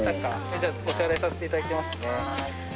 じゃお支払いさせていただきますね。